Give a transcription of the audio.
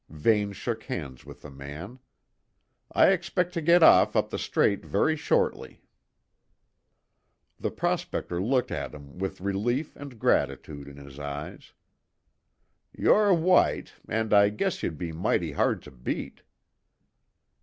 Vane shook hands with the man. "I expect to get off up the Strait very shortly." The prospector looked at him with relief and gratitude in his eyes, "You're white and I guess you'd be mighty hard to beat."